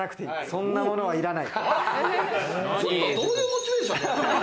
そんなものは、いらない。